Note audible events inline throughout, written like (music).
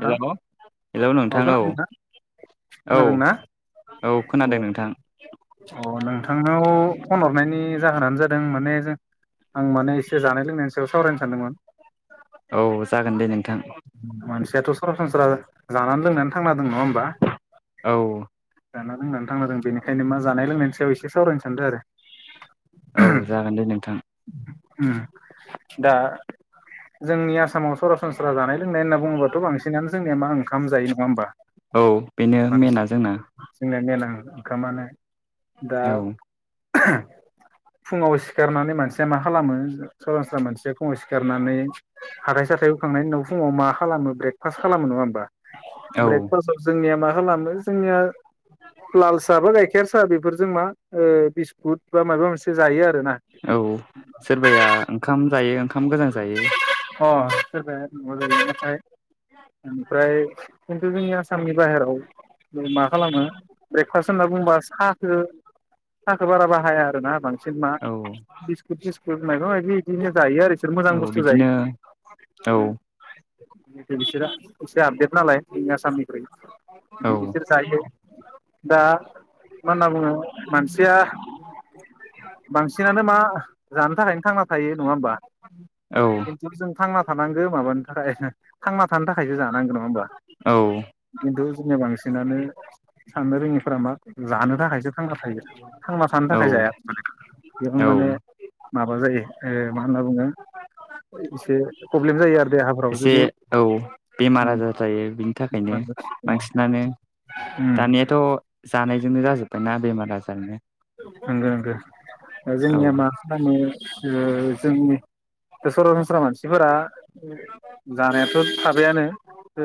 Hello hello अ नोंथां औ खोनादोंना औ खोनादोंना औ खोनादों अ नोंथां। अ नोंथांनाव फन हरनायनि जाहोनानो जादों माने जों आं माने एसे जानाय लोंनायनि सायाव सावरायनो सानदोंमोन। औ जागोन दे नोंथां मानसियाथ' सरासनस्रा जानानै लोंनानै थांना दं नङा होमबा? औ। जाना लोंनानै थांना दों बेनिखायनो मा जानाय लोंनायनि सायाव एसे सावरायनो सानदो आरो। औ जागोन दे नोंथां। दा जोंनि आसामाव सरा सनस्रा जानाय लोंनाय होनना बुङोबाथ' बांसिनानो जोंनिया मा ओंखाम जायो नङा होमबा? औ बेनो मेना जोंना। जोंना मेना ओंखामानो दा औ फुङाव सिखारनानै मानसिया मा खालामो सरासनस्रा मानसिया फुङाव सिखारनानै हाथाय साथाय हुखांनायनि उनाव फुङाव मा खालामो ब्रेकफास्ट खालामो नङा होमबा? औ ब्रेकफास्टआव जोंनिया मा खालामो जोंनिया लाल सा बा गाइखेर सा बेफोरजों मा बिस्कुट बा माबा मोनसे जायो आरोना। औ सोरबाया ओंखाम जायो ओंखाम गोजां जायो। अ (unintelligible) ओमफ्राय खिन्थु जोंनि आसामनि बाहेराव मा खालामो फार्स होनना बुंबा साहखौ साहखौ बारा बाहाया आरोना बां जे मा औ बिस्कुट थिस्कुट माइबा माइबि बिदिनो जायो आरो बिसोर मोजां औ बुस्थु जायो। बिदिनो औ जिथु बिसोरा एसे आपदेट नालाय आसामनिफ्राय औ बिदिनो बिसोर जायो। दा मा होनना बुङो मानसिया बांसिनानो मा जानो थाखायनो थांना थायो नङा होमबा? औ खिन्थु जों थांना थानांगो माबानि थाखाय थांना थानो थाखायसो जानांगो नङा होमबा। औ। खिन्थु जोंनिया बांसिनानो साननो रोङो फोरा मा जानो थाखायसो थांना थायो थांना थानो औ थाखाय जाया माने बेयाव औ माने माबा जायो ओ मा होनना बुङो। एसे प्रब्लेम जायो आरो देहाफोराबो एसे जुदि औ बेमार आजार जायो बिनि थाखायनो ओम बांसिनानो दानियाथ' जानायजोंनो जाजोब्बाय ना बेमार आजारनो नोंगो नोंगो, ओ औ जोंनिया मा खालामो ओ जोंनि सरासनस्रा मानसिफोरा जानायाथ' थाबायानो ओ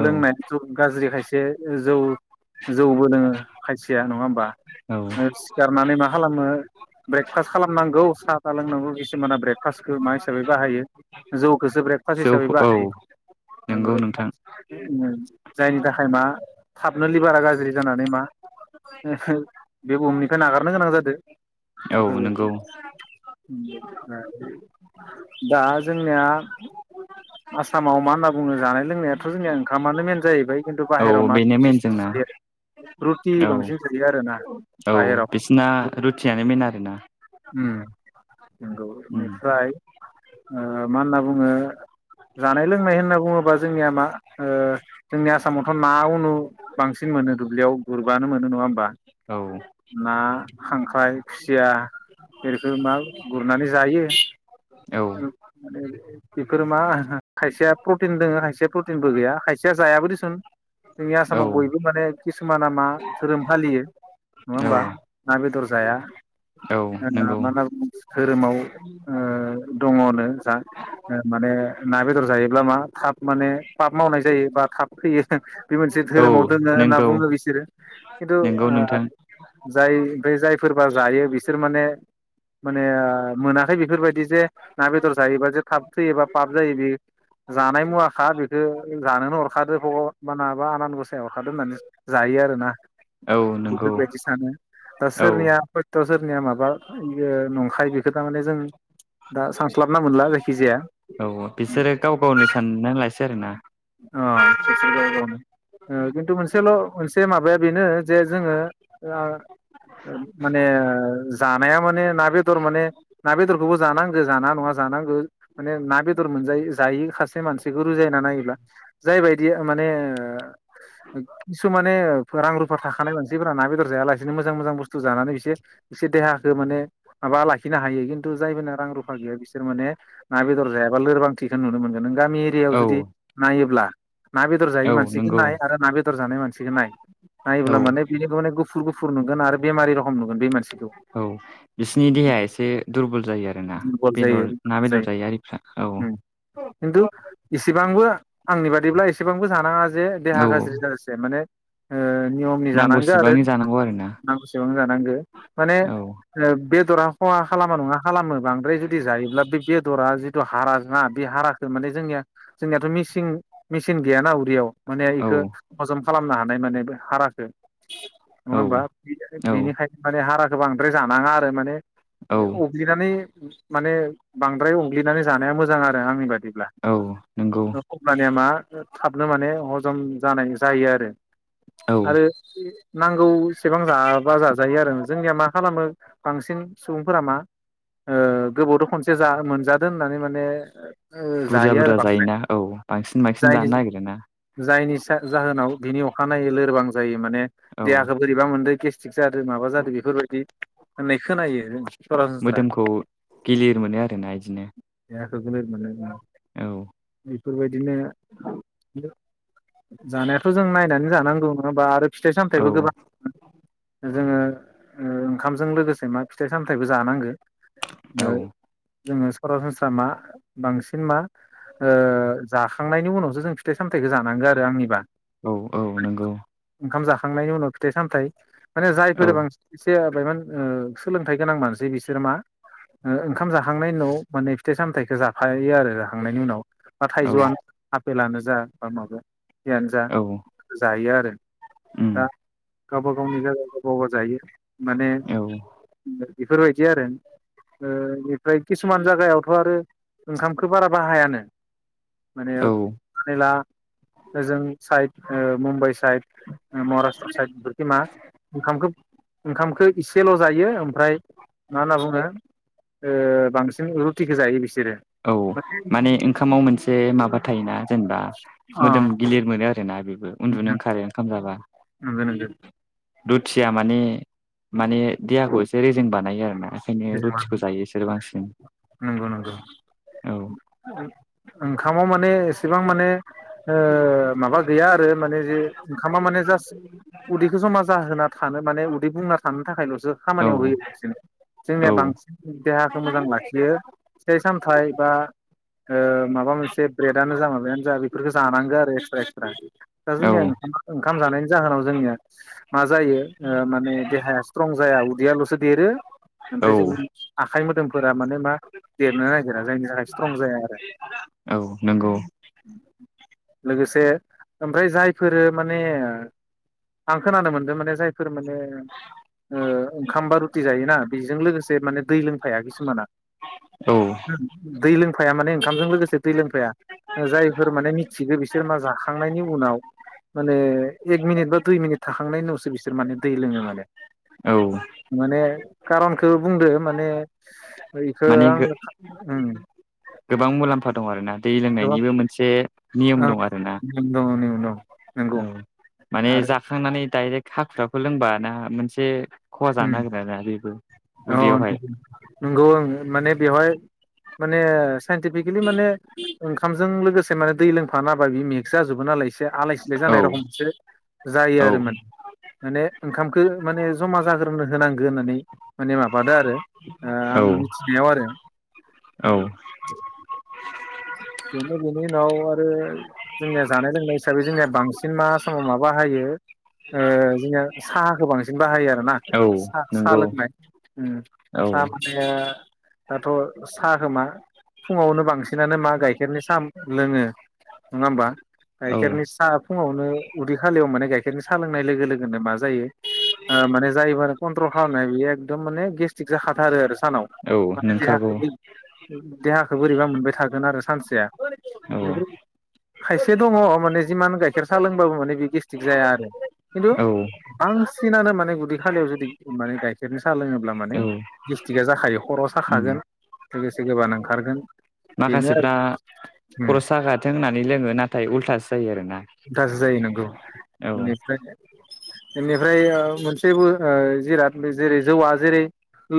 औ लोंनाय जौ गाज्रि खायसे जौ जौबो लोङो खायसेया नङा होमबा? औ ओ सिखारनानै मा खालामो ब्रेकफास्ट खालामनांगौ साहा था लोंनांगौ खिुमाना ब्रेकफास्टखो मा हि हिसाबै बाहायो जौखौसो ब्रेकफास्ट हिसाबै जौखौ औ बाहायो। नंगौ नोंथां ब्रेकफास्ट ओम जायनि थाखाय मा थाबनो लिभारा गाज्रि जानानै मा (unintelligible) बे बुहुमनिफ्राय नागारनो गोनां जादो औ नंगौ बेफोरबायदि। (unintelligible) दा जोंनिया आसामाव मा होनना बुङो जानाय लोंनायाथ' जोंनिया ओंखामानो मेन जाहैबाय खिन्थु औ बाहेराव मा बेनो मेन जोंना रुटि औ बांसिन जायो आरो ना। औ बिसना रुटियानो मेन आरोना। ओम नंगौ उम बेनिफ्राय ओ मा होनना बुङो जानाय लोंनाय होनना बुङोबा जोंनिया मा ओ जोंनि आसामावथ' ना उनु बांसिन मोनो दुब्लियाव गुरबानो मोनो नङा होमबा। औ। ना खांख्राय खुसिया बेफोरखो मा गुरनानै जायो। औ माने बेफोर मा खायसेया प्रटिन दोङो खायसेया प्रटिनबो गैया खायसेया जायाबो देसुन। जोंनि औ आसामाव बयबो माने किसुमाना मा धोरोम फालियो। नङा औ होमबा ना बेदर जाया औ (unintelligible) मा नंगौ होनना बुङो। धोरोमाव ओ दङनो जा ओ माने ना बेदर जायोब्ला मा थाब माने पाप मावनाय जायो बा थाब थैयो। बे मोनसे औ धोरोमाव दोङो होनना नंगौ बुङो बिसोरो किन्थु नंगौ आ नोंथां जाय ओमफाय जायफोरबा जायो बिसोर माने माने ओ मोनाखै बेफोरबायदि जे ना बेदर जायोबा जे थाब थैयो बा पाब जायो बे जानाय मुवाखा बेखौ जानोनो हरखादो भग'बाना बा आनान गसाया हरखादो होननानै जायो आरो ना। औ नंगौ बेफोरबायदि सानो। दा औ सोरनिया खयत' सोरनिया माबा यो नंखाय बेखौ थामाने जों दा सानस्लाबना मोनला जायखिजाया अ बिसोरो गाव गावनो सानना लासै आरो ना। अ (inaudible) ओ किन्थु मोनसेल' मोनसे माबाया बेनो जे जोङो ओ माने जानाया माने ना बेदर माने ना बेदरखोबो जानांगो जानाङा नङा जानांगो माने ना बेदर मोनजायि जायो खासे मानसिखो बुजायना नायोब्ला जायबायदि माने ओ खिसु माने रां रुफा थाखानाय मानसिफोरा ना बेदर जायालासिनो मोजां-मोजां बुस्थु जानानै बिसोर इसे देहाखौ माने माबा लाखिनो हायो खिन्थु जायफोर रां रुफा गैया बिसोर माने ना बेदर जायाबा लोरबांथिखौ नुनो मोनगोन नों गामि एरियाायाव औ जुदि नायोब्ला ना बेदर जायि औ मानसिखौ नंगौ नाय आरो ना बेदर जानाय मानसिखौ नाय औ नायोब्ला माने बेनि माने गु गुफुर गुफुर नुगोन आरो बेमारि रखम नुगोन बे मान औ बिसोरनि देहाया एसे दुरबल जायो आरोना दुरबल जायो बेदर ना बेदर जायो आरिफ्रा औ किनतु इसेबांबो आंनि बादिब्ला एसेबांबो जानाङा जे देहा औ गाज्रि जसे माने ओ‌ नियमनि जानांगो आरो नांगौसिबांनि जानांगौ आरोना नांगौसेबां जानांगौ माने औ ओ बेदरा खहा खालामा नङा खालामो बांद्राय जुदि जायोब्ला बे बेदरा जिथु हारा ना बे हारा माने जोंनिया जोंनियाथ' मिसिं मिचन गैयाना उदैयाव माने औ इखो हजम खालामनो हानाय माने बे हाराखो नङा औ होमबा बे औ बेनिखाय माने हाराखो बांद्राय जानाङा आरो माने औ उफ अग्लिनानै माने बांद्राय अग्लिनानै जानाया मोजां आरो आंनि बादिब्ला। औ नोंगौ। अब्लानिया मा थाबनो माने हजम जानाय जायो आरो। औ आरो नांगौ सेबां जाबा जाजायो आरो जोंनिया मा खालामो बांसिन सुबुंफोरा मा ओ गोबावदो खनसे जा मोनजादों होननानै माने बुरजा जायो आरो बुरजा बांद्राय जायोना औ बांसिन बांसिन जायनि जानो नागिरो ना जायनि जाहोनाव बिनि अखानायै लोरबां जायो माने औ देहाखौ बोरैबा मोनददों गेस्ट्रिक जादो माबा जादो बेफोरबायदि होननाय खोनायो सरासनस्रा मोदोमखौ गिलिर मोनो आरोना इदिनो देहाखौ गोलोर मोनो ओं औ बेफोरबायदिनो जानायाथ' जों नायनानै जानांगौ नङा होनबा आरो फिथाइ औ सामथायबो गोबां जोङो ओंखामजों लोगोसे मा फिथाइ सामथाइबो जानांगो ओ औ जोङो सरासनस्रा मा बांसिन मा जाखांनायनि उनावसो जों फिथाइ सामथाइखौ जानांगौ आरो आंनिबा औ औ नंगौ ओंखाम जाखांनायनि उनाव फिथाइ सामथाइ माने औ जायफोर बांसिन एसे बायमान सोलोंथाइ गोनां मानसिै बिसोर मा ओंखाम जाखांनायनि उनाव माने फिथाइ सामथायाइखो जाफायो आरो दा थांनायनि उनाव बा औ थाइजौआनो आफेलानो जा बा माबयानो जा औ जायो आरो उम दा गावबा गावनि जायगा गावबा गाव जायो माने औ बेफोरबायदि आरो ओ बेनिफ्राय किसुमान जायागायावथ' आरो ओंखामखो बारा बाहायानो माने औ खोला ओजों साइड ओ मुम्बाइ साइड महाराष्ट्र साइड बेफोरखि मा ओंखामखौ ओंखामखौ इसेल' जायो ओमफ्राय मा होनना बुङो ओ बांसिन रुटिखो जायो बिसोरो औ माने ओंखामाव मोनसे माबा थायोना जेनेबा अ मोदोम गिलिर मोनो आरोना बेबो उन्दुनो ओंखारो ओंखाम जाबा नंगो नंगो दुथिया माने माने देहाखौ एसे रेजें बानायो आरोना ओंखायनो रुटिखौ जायो (unintelligible) बिसोरो बांसिन नंगौ नंगौ औ ओंखामाव माने एसेबां माने ओ माबा गैया आरो माने जे ओंखामा माने जास्ट उदैखौ जमा जाहोना थानो माने उदै बुंना थानो थाखायल'सो खामानियाव औ होयो बांसिनो जोंनिया औ बांसिन देहाखौ मोजां लाखियो फिथाइ सामथाइ बा ओ माबा मोनसे ब्रेडानो जा माबायानो जा बेफोरखौ जानांगौ आरो एक्सट्रा एक्स्रा दा जोंनिया ओंाम ओंखाम जानायनि जाहोनाव जोंनिया मा जायो माने देहाया स्ट्रं जाया उदैयाल'सो देरो औ ओमफ्राय जों आखाइ मोदोमफोरा माने मा देरनो नागिरा जायनि थाखाय स्ट्रं जाया आरो औ नंगौ लोगोसे ओमफ्राय जायफोरो माने आं खोनानो मोन्दों माने जायफोर माने ओ ओंखामबा रुटि जायो बेजों लोगोसे माने दै लोंफाया किसुमाना औ उम दै लोंफाया माने ओंखामजों लोगोसे दै लोंफाया जायफोर माने मिथिगौ बिसोर बिसोर मा जाखांनायनि उनाव माने एक मिनिट बा दुइ मिनिट थाखांनायनि उनावसो बिसोर माने दै लोङो माने औ माने खारनखौ बुंदो माने इखो माने आं ओम गोबां मुलाम्फा दं आर ना दै गोबां लोंनायनिबो मोनसे नियम दं आर ना (unintelligible) उनाव औ माने जाखांनानै डाइरेक्ट हाखु दाखु लोंबा ना मोनसे खहा उम जानो नागिर आरो बेबो औ उदैयावहाय नंगौ आं माने बेवहाय माने साइन्टिफिकेलि माने ओंखामजों लोगोसे माने दै लोंफानाबा बि मेक्स जाजोबो नालाय एसे एसे आलाय सिलाय जानाय औ रखम मोनसे जायो औ आरो मोन माने ओंखामखौ माने जमा जागोन नो होनांगौ होननानै माने माबादो आरो आं औ मि थिनायाव आरो औ बेनो बेनि उनाव आरो जोंनिया जानाय लोंनाय हिसाबै जोंनिया बांसिन मा समाव माबा हायो ओ जोंङो साहाखौ बांसिन बाहायो आरोना। औ साहा सा नंगौ लोंबाय औ साहा माने दाथ' साहा खोमा फुङावनो बांसिन बिसिनानो मा गाइखेरनि साहा लोङो नङा होमबा औ गाइखेरनि साहा फुङावनो उदै खालियाव माने गाइखेरनि साह लोंनाय लोगो लोगोनो मा जायो माने जायबार ट्र खालामनाय बेयो एकदम माने गेस्टि्रिक जाखाथारो आरो सानाव औ माने नोंखागौ देहाखौ बै देहाखौ बोरैबा मोनबाय थागोन आरो सानसेया औ बेनिफ्राय खायसे दङ माने जिमान गाइखेर साह लोंबाबो माने बे गेस्ट्रिक जाया आरो खिन्थु औ बांसिनानो माने उदै खालियाव जुदि माने गाइखेरनि साहा लोङोब्ला माने गेस्ट्रिकआ जाखायो खर' साखागोन लोगोसे गोबानो ओंखारगोन बेनो आरो माखासेफ्रा खर' सागाथों होननानै लोङो नाथाय उल्थासो जायो आरोना। उल्थासो जायो नोंगौ औ बेनिफ्राय बेनिफ्राय मोनसेबो जिराद जेरै जौआ जेरै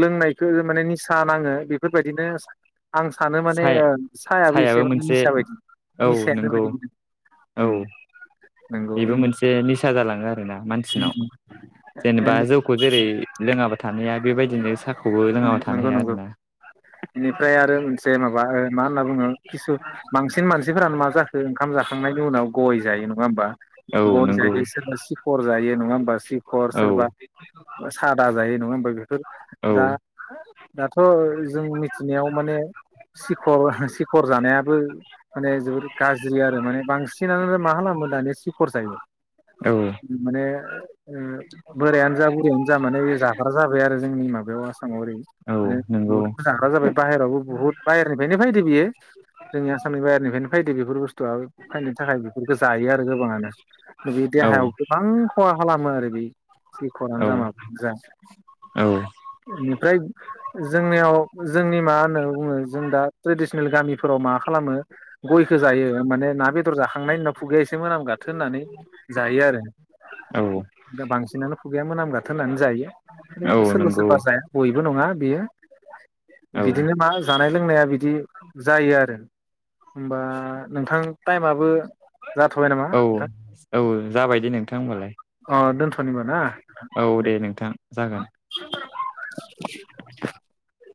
लोंनायखौ माने निसा नाङो बेफोरबायदिनो आं सानो माने साया ओ साहायाबो सायाबो एसे माने मोनसे निसा बायदि औ निसायानो नंगौ बायदि मोनो औ बेबो मोनसे निसा जालाङो आरोना मानसिनाव जेनेबा जौ खौ जेरै लोङाबा थानो हाया बेबायदिनो साहखौबो लोङाबा थानो नंगौ हाया आरोना। बे माबा ओ मा होनना बुङो किसु बांसिन मानसिफोरानो मा जाखो ओंखाम जाखांनायनि उनाव गय जायो नङा होमबा औ गय नंगौ जायो सोरबा सिखर जायो नङा होमबा सि खर औ सोरबा सादा जायो नङा होमबा बेफोर औ दा दाथ' जों मिथिनायाव माने सिखर सिखर जानायाबो माने जोबोद गाज्रि आरो माने बांसिनानो मा खालामो दानि सिखर जायो औ। माने बोरायानो जा बुरैयानो जा माने मा जाबाय आरो जोंनि माबायाव आसामाव ओरै औ माने नंगौ जाग्रा जाबाय बायेरावबो बुहुत बाहेरनिफ्रायनो फायदो बियो जोंनि आसामनि बाहेरनिफ्रायनो फायदो बेफोर बु स्थुआ फायनो थाखाय बेफोरखौ जायो आरो गोबाङानो। बे औ देहायाव गोबां खहा खालामो आरो बे सिखरानो औ जा माबायानो जा। औ। बेनिफ्राय जोंनियाव जोंनि मा होनना बुङो जों दा ट्रेडिसनेल गामिफोराव मा खालामो? गयखौ जायो माने ना बेदर जाखांनाय होननाव खुगैया एसे मोनामगाथो होननानै जायो औ आरो बांसिनानो खुगैया मोनामगाथो होननानै जायो औ सोरबा नंगौ सोरबा जाया बयबो नङा बियो औ बिदिनो मा जानाय लोंनाया बि दि जायो आरो होमबा नोंथां टाइमयाबो जाथ'बाय नामा औ नोंथां औ जाबाय दे नोंथां होमबालाय। अ दोनथ'नि होमबा ना? औ दे नोंथां। जागोन (inaudible)